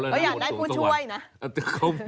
ไม่ไป